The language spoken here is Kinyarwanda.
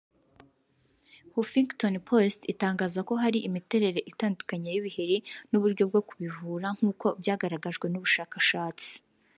Huffington Post itangaza ko hari imiterere itandukanye y’ibiheri n’uburyo bwo kubivura nk’uko byagaragajwe n’ubushakashatsi